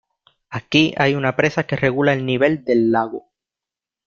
Aquí hay una presa que regula el nivel del lago.